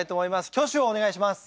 挙手をお願いします。